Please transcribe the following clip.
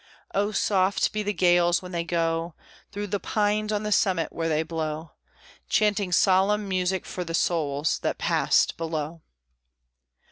Oh, soft be the gales when they go Through the pines on the summit where they blow, Chanting solemn music for the souls that passed below.